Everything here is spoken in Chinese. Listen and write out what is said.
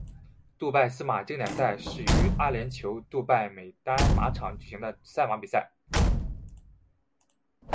杜拜司马经典赛是于阿联酋杜拜美丹马场举行的赛马比赛。